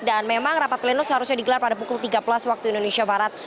dan memang rapat pleno seharusnya digelar pada pukul tiga belas waktu indonesia barat